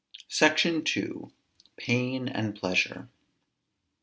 SECTION II. PAIN AND PLEASURE.